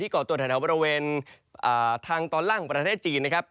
ก่อตัวแถวบริเวณทางตอนล่างของประเทศจีนนะครับ